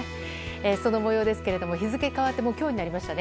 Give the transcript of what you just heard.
その模様ですが日付変わって今日になりましたね。